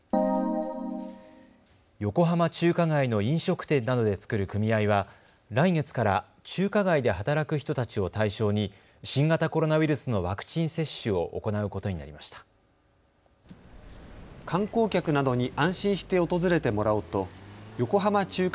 横浜中華街の飲食店などで作る組合は来月から中華街で働く人たちを対象に新型コロナウイルスのワクチン接種を行うことになりました。